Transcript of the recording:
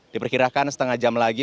diperkirakan setengah jam lagi